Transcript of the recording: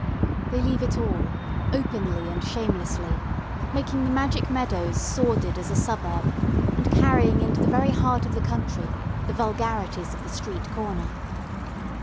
They leave it all, openly and shamelessly, making the magic meadows sordid as a suburb, and carrying into the very heart of the country the vulgarities of the street corner.